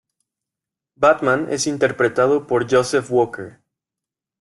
Batman es interpretado por Joseph Walker.